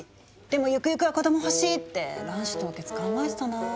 でもゆくゆくは子ども欲しい」って卵子凍結考えてたな。